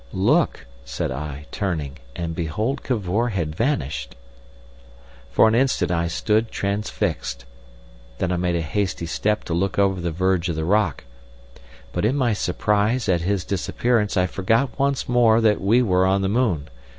"Look!" said I, turning, and behold Cavor had vanished. For an instant I stood transfixed. Then I made a hasty step to look over the verge of the rock. But in my surprise at his disappearance I forgot once more that we were on the moon.